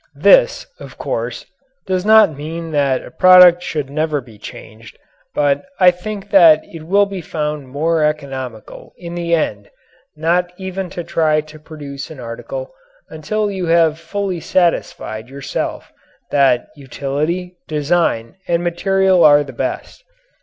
This, of course, does not mean that a product should never be changed, but I think that it will be found more economical in the end not even to try to produce an article until you have fully satisfied yourself that utility, design, and material are the best.